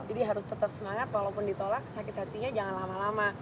jadi harus tetap semangat walaupun ditolak sakit hatinya jangan lama lama